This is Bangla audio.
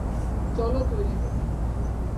চলো তৈরি হই।